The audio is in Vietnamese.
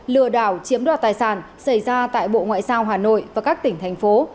lừa đảo chiếm đoạt tài sản xảy ra tại bộ ngoại giao hà nội và các tỉnh thành phố